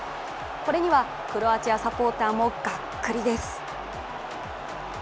これにはクロアチアサポーターもがっくりです。